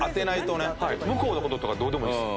向こうの事とかどうでもいいです